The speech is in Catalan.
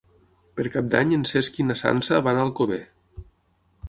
Per Cap d'Any en Cesc i na Sança van a Alcover.